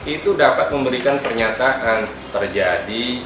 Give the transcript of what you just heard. itu dapat memberikan pernyataan terjadi